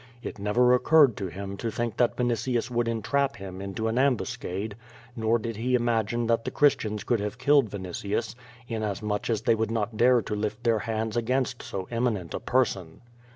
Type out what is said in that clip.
It never occurred to him to think that Vini QUO VADIS, 189 tins would entrap him into an ambuscade. Xor did lie im agine that the Christians could have killed Vinitius, inasmuch as they would not dare to lift their hands against so eminent a person.